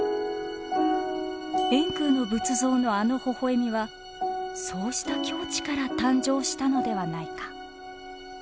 円空の仏像のあのほほえみはそうした境地から誕生したのではないか。